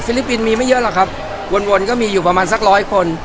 ลิปปินส์มีไม่เยอะหรอกครับวนก็มีอยู่ประมาณสักร้อยคน